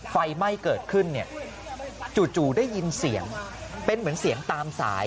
เป็นเสียงเป็นเหมือนเสียงตามสาย